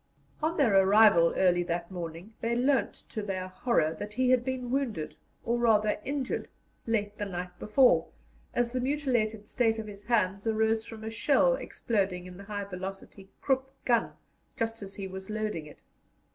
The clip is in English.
On their arrival early that morning, they learnt, to their horror, that he had been wounded, or, rather, injured, late the night before, as the mutilated state of his hands arose from a shell exploding in the high velocity Krupp gun just as he was loading it.